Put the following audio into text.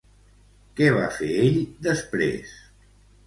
Què va fer ell després?